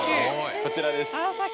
こちらです。